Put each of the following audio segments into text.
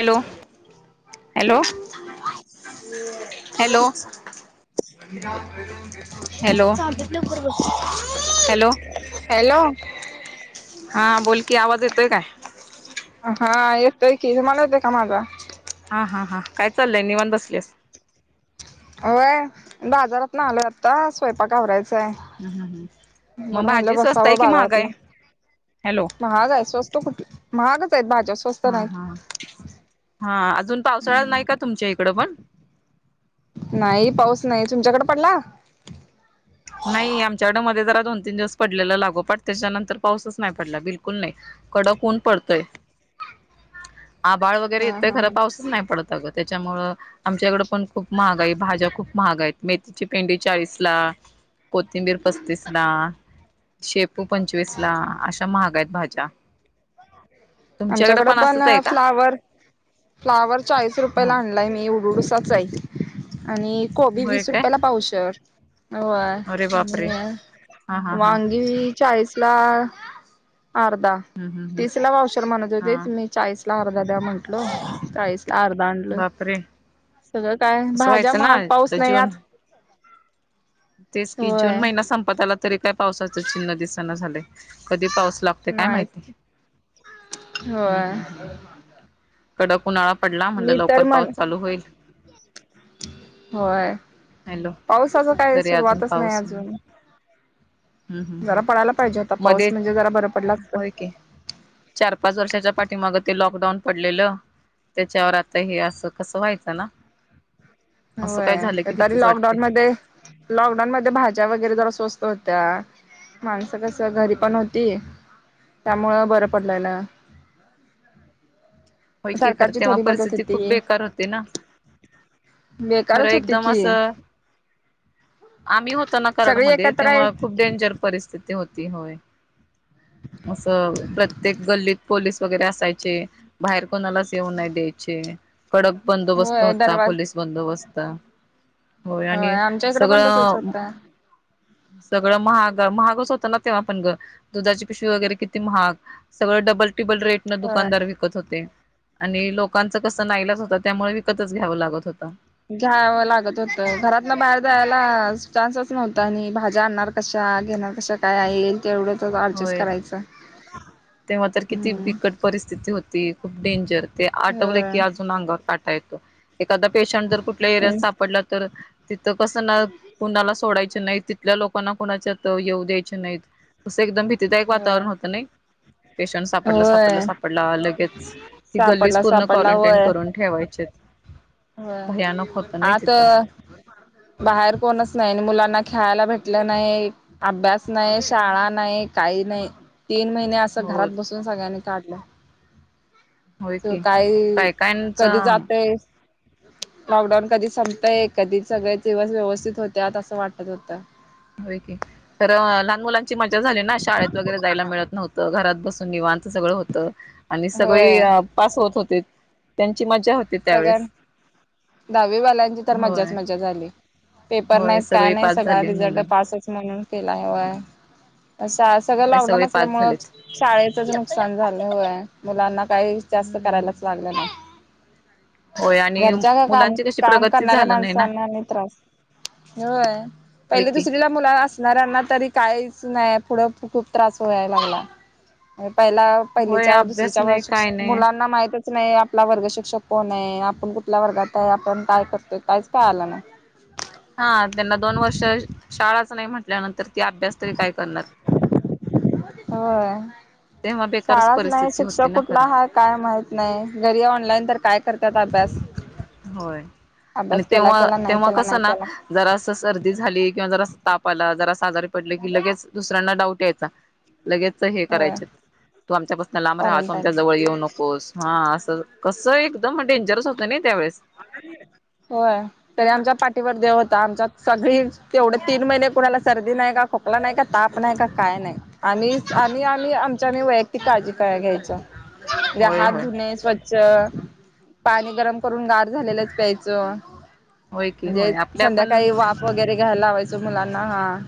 Hello hello hello hello चाललेत लवकर बघ हॅलो की हॅलो हा बोलकी आवाज येतोय काय हा येतोय की तुम्हाला येतोय का माझा हा हा हा काय चाललंय निवांत बसलेस होय बाजारात ना आलोय मग बर म्हटलं भाजी स्वस्त बसावं आहे की महाग आहे बाजारातलं हॅलो महाग आहे स्वस्त महागच आहेत भाज्या स्वस्त हा हा नाहीत हा अजून पावसाळ्यात नाही का तुमच्या इकड पण नाही पाऊस नाही तुमच्याकडे पडला नाही आमच्याकड मध्ये जरा दोन तीन दिवस पडलेला लागोपाठ त्याच्यानंतर पाऊसच नाही पडला बिलकुल नाही कडक ऊन पडतोय आभाळ वगैरे येत हा खरं हा पावसच नाही पडत अगं त्याच्यामुळं आमच्याकडं पण खूप महागाई भाज्या खूप महाग मेथीची पेंडी चाळीस ला कोथिंबीर पस्तीस ला तू पंचवीस ला अशा महाग आहेत भाज्या तुमच्याकडे आमच्याकडे पण असंच आहे का फ्लावर फ्लाॉवर चाळीस ह रुपयेला आणलाय मी आणि कोबी होय वीस काय रुपयाला पावसर होय अरे बापरे आणि हा हा हा वांगी चाळीस ला. अर्धा हम्म हम्म हम् तिसरा ला व पावशेर म्हणत होते हा मी चाळीस ला अर्धा द्या म्हंटल चाळीस ला अर्धा आणलं. बापरे सगळं काय कसं भाज्या व्हायचं ना महाग पाऊस तर नाही जून आत तेच की जून होय महिना संपत आला तरी काय पावसाचं चिन्ह दिसना झालंय कधी पाऊस काय नाही माहिती हू‌ होय हू कडक उन्हाळा. पडला म्हणलं मी तर लवकर पाऊस म्हण चालू होईल. होय हॅलो पावसाच काय तरी अजून सुरुवातच नाही अजून जरा पडायला पाहिजे होता पाऊस मध्ये म्हणजे जरा बरं पडला असत होय की चार पाच वर्षाच्या पाठीमाग ते लॉकडाऊन पडलेलं. त्याच्यावर आता हे असं कसं व्हायचं ना. असं काय झालं होय की तरी भीतीच वाटते लॉकडाऊन मध्ये लॉकडाऊन मध्ये भाज्या वगैरे जरा सवस्त होत्या माणसं कस घरी पण होती. त्यामुळं बरं पडलेलं. होय की खर सरकारची तेव्हा थोडी मदत परिस्थिती खूप होती बेकार होती ना. खरं बेकारच होती एकदम की असं. आम्ही होतो ना सगळी कराडमध्ये एकत्र आहे तेव्हा खूप डेंजर परिस्थिती होती. असं प्रत्येक गल्लीत पोलीस वगैरे असायचे. बाहेर कोणालाच येऊन नाही द्यायचे. कडक बंदोबस्त होय होता दरवाज पोलीस बंदोबस्त होय आणि आमच्या इकडे पण तसच सगळं. होतं सगळं महाग महागच होतं ना तेव्हा पण ग दुधाची पिशवी वगैरे किती महाग सगळं डबल रेट न होय दुकानार विकत होते. आणि लोकांच कस ना ईलाज होता त्यामुळे विकतच घ्यावं लागत होता. घ्यावं लागत होत घरात ना बाहेर जायला चान्सच नव्हता आणि भाज्या आणणार कश्या का घेण कसं काय येईल. तेवढंच ऍडजस्ट होय करायचं तेव्हा तर किती हम्म बिकट परिस्थिती होती खूप डेंजर. ते आठवले की होय अजून अंगावर काटा येतो एखादा पेशंट जर कुठल्या एरियात सापडला तर तिथं कसं ना कुणाला सोडायच नाही तिथल्या लोकांना कुणाच्यात येऊ द्यायचे नाहीत. कसं एकदम भीतीदायक होय वातावरण होत नाही पेशंट सापडला सापडला होय सापडला लगेच ती गल्लीच सापडला पूर्ण सापडला क्वारंटाईन करून ठेवायचीत. भयानक हो होतं नाही आता तिथं बाहेर कोणच नाही मुलांना खेळायला भेटलं नाही अभ्यास नाही शाळा नाही काही नाही. तीन महिने असं हो घरात बसून सगळ्यांनी काढलं. होय त की काय कधी जातय. लॉकडाऊन कधी संपतय ए कधी सगळे दिवस व्यवस्थित होत्या असं वाटत होतं. हो की खरं लहान मुलांची मज्जा झाली ना शाळेत वगैरे जायला मिळत नव्हतं घरात बस. वांत सगळ होत आणि सग होय पास होत होते त्यां सगळ्यां दहावी बालांची तर मजच होय मज्जा झाली. पेपर होय नाही काय सगळी नाही पास सगळा झाली रिझल्ट मुलं पासच म्हणून केला हव. शा सगळं होय लॉकडाऊन सगळे पास असल्यामुळें झालेत शाळेचच नुकसान झालं होय मुलांना काही जास्त हम्म करायलाच लागलं नाही. होय आणि घरच्या का काम मुलांची कशी काम प्रगती करणाऱ्या झालं नाही ना माणसांना म त्रास. होय होय पहिली की दुसरीला मुला असणाऱ्यांना तरी काहीच नाही पुढं खूप त्रास व्हाय लागला. पहिला होय पहिलीच्या अभ्यास दुसरीच्या नाही काय नाही मुलांना माहितच नाही आपला वर्ग शिक्षक कोण आहे आपण कुठल्या वर्गात आहे आपण काय करतोय काहीच काय आलं ना. हा त्यांना दोन वर्ष शाळाच नाही म्हटल्यानंतर ते अभ्यास तरी काय करणार? होय तेव्हा बेकारच शाळाच नाही परिस्थिती होती शिक्षक ना कुठला खरं हा काय माहित नाही. घरी ऑनलाईन तर काय [unintelligible] होय. आणि अभ्यास केला तेव्हा केला नाही तेव्हा केला नाही कसं ना केला जरास सर्दी झाली किंवा जरास ताप आला जरा आजारी पडले की लगेच दुसऱ्यांना डाऊट यायचा. लगेच हे होय करायचे तू आमच्यापासून लांब राहा, तू क्वारंटाईन आमच्या जवळ येऊ नकोस हा असं. कसं एकदम डेंजरस होतं नाई होय तरी आमच्या पाठीवर देव होता. आमच्यात सगळी तेवढे तीन महिने कुणालाच सर्दी नाही का, खोकला नाही का, ताप नाही काय नाही आणि आणि आम्ही आमच्यामही वैयक्तिक काळजी य घ्याय म्ह होय हात होय धु स्वच्छ, पाणी गरम करून झालेच प्यायच होय की म्हणजे होय आपल्या पण संध्याकाळी वाफ वगैरे घ्यायला लावयच. मुलांना हा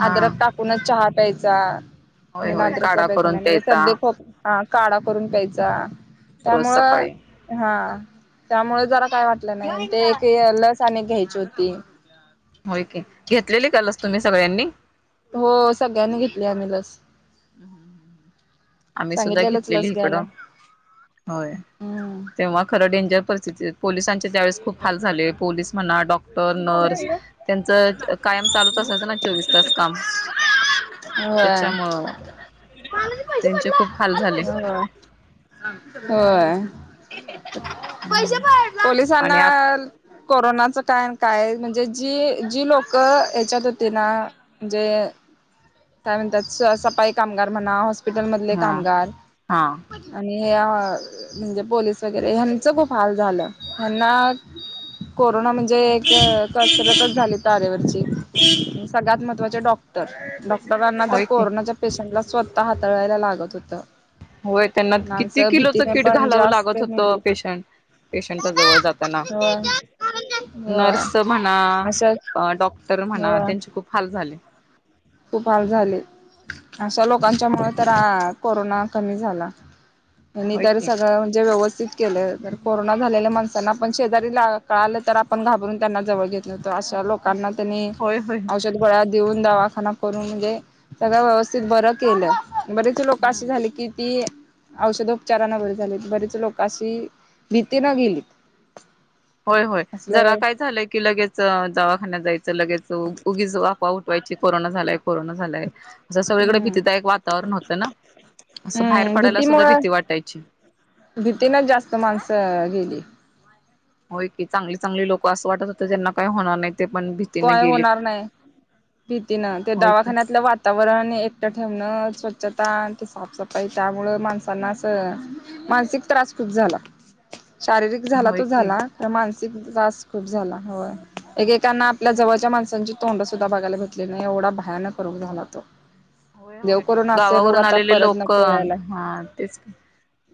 हा आदरक टाकूनच चहा प्यायचा होय बिना होय अद्रक चा काढा प्यायचा करून नाई म्हणजे सर्दी, खोकला हा काडा करून प्यायचा रोज त्यामुळं सकाळी हा त्यामुळे जरा काय वाटलं नाही ते एक लस अनेक घ्यायची होती. होय की, घेतलेली काय लस तुम्ही सगळ्यांनी? हो सगळ्यांनी घेतली आम्ही लस. हम्म हम्म हम्म हम्म. आम्ही सुद्धा सांगितलेलंच घेतलेली लस घ्यायला. इकडं. होय हम्म तेव्हा खरं डेंजर परी पोलिस चे त्याळेस खूप हाल झाले. पोलीस म्हणा डॉक्टर, नर्स त्यांच कायम चालूच असायच चोवीस तास काम. [unintelligible] होय. त्याच्यामुळं [unintelligible] त्यांचे खूप हाल झाले. होय. हम्म आणि पोलिसांना आत कोरोनात. का काय म्हणजे जी जी लोक ह्याच्यात होती ना म्हणजे काय म्हणतात सपाई कामगार म्हणा, हॉस्पिटल मधले हा कामगार हा आणि हे म्हणजे पोलीस वगैरे ह्यांच खूप हाल झालं. [unintelligible] ना म्हणजे कसरतच झाली तरेवरची सगळ्यात महचे डॉक्टर डॉक्टरांना तर होय की कोरोनाच्या पेशंटला स्वतः हाताळायला लागत होत. होय त्यांना किती किलोचं किट पण घालावं जास्त लागत होतं मेली पेशंट पेशंट जवळ जाताना. होय होय नर्स म्हणा अशा डॉक्टर म्हणा होय त्यांचे खूप हाल झाले. खूप हाल झाले अशा होय लोकांच्या मु ह कोरोना कमी झाला होय आणितर की सगळं म्हणजे व्यवस्थित व केलं तर कोरोना झालेल्या माणसांना आपण शेजारीला कळालं तर आपण घाबरून त्यांना जवळ घेत नव्हतो अशा लोक ना त्यांनी होय होय औषध, गोळ्या देऊन दवाखाना करून म्हणजे सगळं व्यवस्थित बर केलं. बरेच लोक अशी हम्म झाले की ती औषधोपचाराना बरे झालेत बरीेच लोकांशी भीती न गेलीत. होय होय. जरा असलं काय झालंय की लगेच दवाखान्यात जायचं लगेच उगीच आफवा उठवायच पूर्ण झालाय पूर्ण झालाय असं सगळीकडे हम्म भीतीदाय एक वातावरण होतं ना? असं बाहेर हम्म पडायला सुद्धा भीतीमुळं भीती वाटायची. भीतीनच जास्त माणसं गेली. होय की चांगली चांगली लोक असं वाटत होत ज्यांना काही होणार नाही ते पण भीतीने काय गेलीत होणार नाही. भीतीनं ते होय की दवाखान्यातलं वातावरण आणि एकट ठेवण स्वच्छता साफसफाई त्यामुळे माणसांना अस मानसिक त्रास खूप झाला. शारीरिक झाला तो होय की झाला तर मानसिक त्रास खूप झाला एकेकाना आपल्या जवळच्या माणसांचे तोंड सुद्धा बघायला घेतले नाही एवढा भयानक करून झाला तो होय देव होय करून असे रोग गावावरून आता आलेले परत लोक नको यायला हा तेच.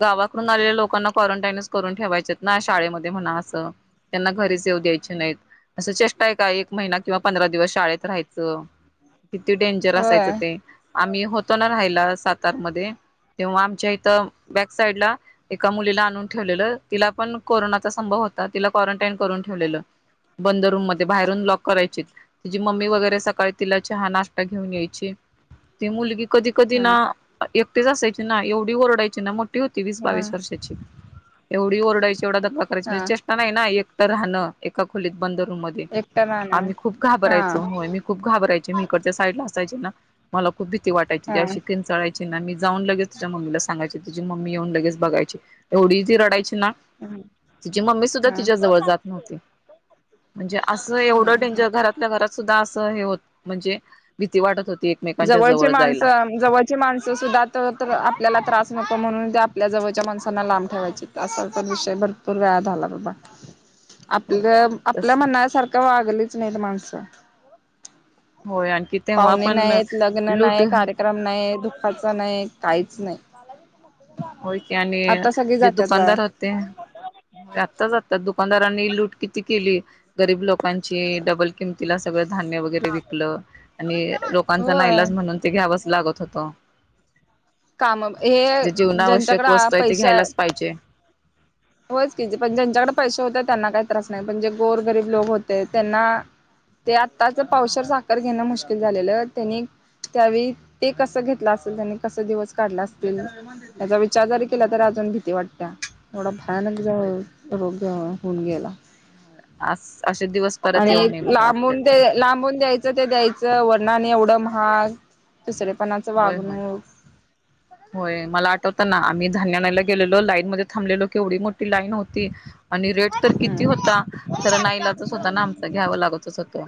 गावाकडून आलेल्या लोकांना क्वारंटाईनच करून ठेवायचे ना शाळेमध्ये म्हणा असं. त्यांना घरीच येऊ द्यायचे नाहीत असं चेष्टा आहे का एक महिना किंवा पंधरा दिवस शाळेत राहायचं. ह्. किती डेंजर असायचं. मी होतो ना राहिला सातार मध्ये तेव्हा आमच्या इथं बॅक साइडला एका मुलीला आणून ठेवलेलं तिला पण कोरोनाचा संभव. होता तिला क्वरणटाईण करून ठेवलेल. बंद रूम मध्ये बाहेरून लॉक करायची तिचीी मम्मी वगैरे सकाळी तिला चहा नाश्ता घेऊन यायची. तेी मुलगी कधी कधी हा ना एकटेच असायची ना एवढी ओरडायची ना. होती वीस हा बावीस वर्षाची एवढी ओरडायची एवढा धक्का करायची हा म्हणजे चेष्टा नाही ना एक राहणं एका खोलीत बंदरूम मध्ये एकट राहणं आम्ही खूप हा घाबरायचो होय मी खूप घाबरायचे मी इकडच्या साईड ला असायचे ना. मला खूप भीती वाटयची ती हा अशी किंचाळायला ना. जाऊन लगेच तिच्या मम्मीला सांगायची तिची मम्मी येऊन लगेच बघायची एवढ ती रडायची. हा तिची मम्मी सुद्धा हा तिच्या जवळ जात नव्हती. म्हणजे असं हा एवढं डेंजर घरातल्या घरात सुद्धा असं हे होत म्हणजे भीती वाटत होती. एकमेकांच्या जवळचे जवळ जायला माणसं जवळची माणसं सुद्धा तर आपल्याला त्रास न म्हणून ते आपल्या जवळच्या माणसांना लांब ठेवायचे असा तर विषय भरपूर वेळा झाला बाबा आपलं आपल्या तस मनासारखं वागलीच नाहीत माणसं. होय आणखी तेव्हा पाहुणे पण नाही लग्न लूट नाही कार्यक्रम नाही. खर्च नाही काहीच नाही. होय की आणि आता सगळी जे जातात बा दुकानदार होते आत्ताच आता दु दुकानदारांनी लूट किती केली गरीब लोकांची डबल किमतीला सगळं. धान्य वगैरे विकलं आणि लोकांचा होय नाईलाज म्हणून ते घ्यावंच लागत होत. जताो. काम हे ज्यांच्याकडे वस्तू आहे ते पैसे घ्यायलाच पाहिजे होच की पण ज्यांच्याकडे पैसे होते त्यांना काही त्रास नाही पण जे गोर गरीब लोक होते त्यांना ते आत्ताच हा पावसावर साखर घेणं मुश्किल झालेलं त्यांनी त्यावेळी ते कस घेतला असल त्यांनी कसा दिवस काढला असेल. च्या जारी केला तरी होय अजून भीती वाटत्या एवढा भयानक रोग होऊन गेला. आज. आणि लांबून द्या लांबून द्यायचं. द्यायचं ते द्यायचं वरनं आणि एवढं महाग दुसरेपणाच होय होय वागणूक होय मला आठवत ना आम्ही धान्य आणायला गेलेलो लाईन मध्ये थांबलेलो केवढी मोठी लाईन होती. आणि रेट तर किती होता हम्म खरं नाईलाजच होता ना आमच घ्यावं लागतच होतं.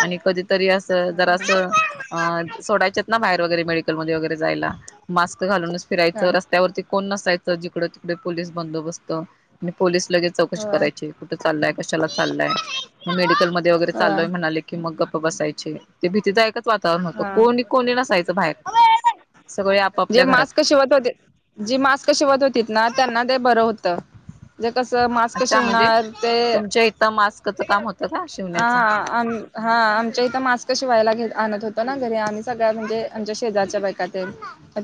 आणि कधीतरी असं हा जरा असं अ हा सोडायचेत ना बाहेर मटरेल वगैरे मेडिकल मध्ये वगैरे जायला मास्क घालूनच फिरायचं, काय? रस्त्यावरती कोण नसायच जर जिकड तिकडे पोलीस बंदोबस्त आणि पोलीस लगेच चौकशी करायची होय कुठे? चाललाय कशाला चाललाय? मग मेडिकलमध्ये वगैरे चाललोय म्हणाले, की मग गप्प बसायचे. ते भीतीदायकच वातावरण होतं. हा कोणी कोणी नसायचं. बाहेर सगळे जे आपापल्या घरात मास्क शिवत होते जे मास्क शिवत होतीत ना त्यांना ते बरं होत. जे कसं मास्क अच्छा म्हणजे शिवणार, ते तुमच्या इथं मास्कचं काम होतं का आ शिवण्याचं आ आम हां आमच्या इथं मास्क शिवायला गेलो. आणत होतो, ना घरी आणि सगळ्या म्हणजे आमच्या शेजारच्या बायका तेन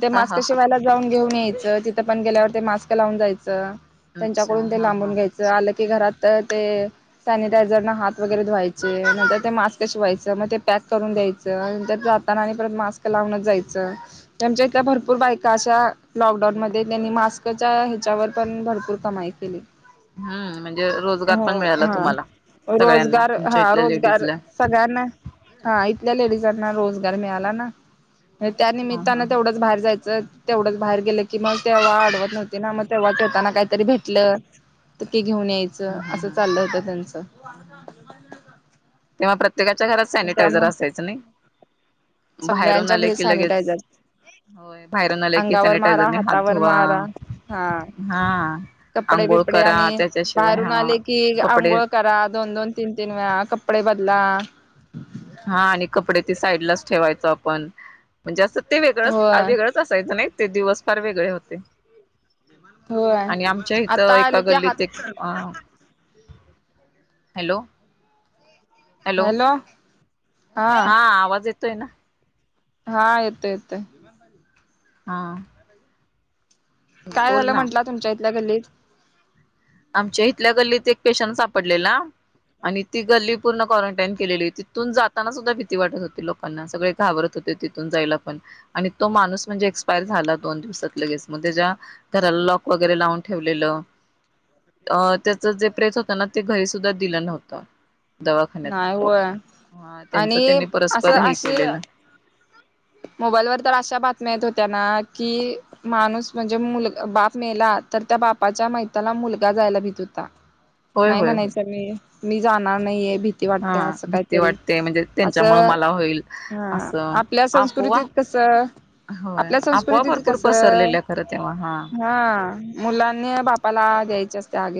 ते हा मास्क हा हा शिवायला जाऊन घेऊन यायचं, तिथं पण गेल्यावर ते मास्क लावून जायचं. अच्छा त्यांच्याकडून ते हा हा लांबून घ्यायचं आलं की, ते घरात अ ते सॅनिटायझर न हात वगैरे धुवायचे, नंतर ते मास्क शिवायच, मग ते पॅक पॅक करून द्यायचं आणि नंतर जाताना आणि परत मास्क लावूनच जायचं. ते आमच्या इथल्या भरपूर बायका अशा लॉकडाऊन मध्ये त्यांनी मास्कच्या ह्याच्यावर पण भरपूर कमाई केली. हा म्हणजे रोजगार हो पण मिळाला हा तुम्हाला सगळ्यांना रोजगार तुमच्या हा इथल्या रोजगार लेडीजला सगळ्यांना हा इथल्या लेडीजांना रोजगार मिळाला ना त्या हा हा निमित्तानं हा तेवढंच बाहेर जायचं तेवढंच बाहेर गेलं की मग तेव्हा आडवत नव्हती ना मग तेव्हा येताना काहीतरी भेटलं तर क घेऊन यायचं हा असं हा चाललं होत त्यांच. तेव्हा प्रत्येकाच्या घरात सॅनिटायझर असायचं नाही. बाहेरून सगळ्यांच्या आले घरी की लगेच सॅनिटायझर होय बाहेरुन आले की अंगावर मारा सॅनिटायझरने हात हातावर धुवा मारा हा हा कपडे आंघोळ बिपडे करा आणि त्याच्या बाहेरून आले की आंघोळ करा दोन दोन तीन तीन वेळा कपडे बदला हा आणि कपडे ते साईड लाच ठेवायचं आपण म्हणजे अस ते वेगळंच होय वेगळंच असायचं नाही ते दिवस फार वेगळे होते होय आणि आमच्या आता इथं आले एका की हात गल्लीत एक अ हॅलो. हॅलो. हा आवाज येतोय ना? हा येतोय येतोय. हा. काय बोल झालं ना म्हंटला तुमच्या इथल्या गल्लीत? आमच्या इथल्या गल्लीत एक पेशंट सापडलेला आणि ती गल्ली पूर्ण क्वारंटाईन केलेली. तिथून जाताना सुद्धा भीती वाटत होती लोकांना सगळे घाबरत होते तिथुन जायला आणि तो माणूस म्हणजे एक्सपायर झाला दोन दिवसात लगेच मग तेच्या करायला लॉक वगैरे लावून ठेवलेलं [unintelligible] अ त्याच जे प्रेत होता ना ते घरी सुद्धा दिलं नव्हतं. दवाखान्यात नाही डॉक् होय हा त्यांच आणि त्यांनी परस्पर हे केलेलं मोबाईल व तर अशा बातम्या येत होत्या ना कि माणूस म्हणजे मुल बाप मेला तर त्या बापाच्या मैताला मुलगा जायला भीत होता होय नाही होय होय म्हणायचं मी मी जाणार नाहीये भीती हा वाटत्या अस भीती काहीतरी वाटते म्हणजे अस, त्यांच्यामुळे मला होईल हा. असं आपल्या अपोवा संस्कृतीत कसं होय आपल्या अपोवा संस्कृतीत भरपूर कस पसरलेल्या खरं तेव्हा हा मुलांनी बापाला अस [unintelligible]